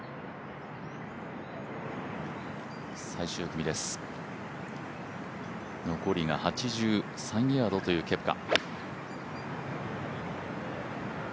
最終組です、残りが８３ヤードというケプカ。